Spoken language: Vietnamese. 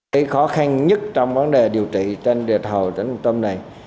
cái khó khăn nhất trong vấn đề điều trị trên địa thầu trên tâm này